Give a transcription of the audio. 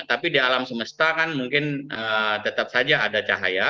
tapi di alam semesta kan mungkin tetap saja ada cahaya